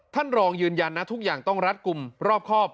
ท่านรองยืนยันนะทุกอย่างต้องรัดกลุ่มรอบครอบ